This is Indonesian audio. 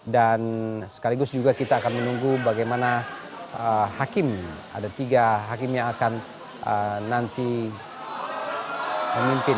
dan sekaligus juga kita akan menunggu bagaimana hakim ada tiga hakim yang akan nanti memimpin